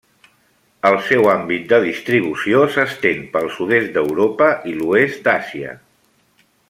El seu àmbit de distribució s'estén pel sud-est d'Europa i l'oest d'Àsia.